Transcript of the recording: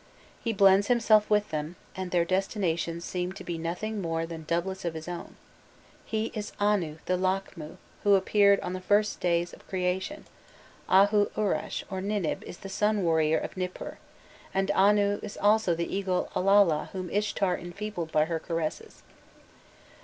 He blends himself with them, and their designations seem to be nothing more than doublets of his own: he is Anu the Lakhmu who appeared on the first days of creation; Ahu Urash or Ninib is the sun warrior of Nipur; and Anu is also the eagle Alala whom Ishtar enfeebled by her caresses.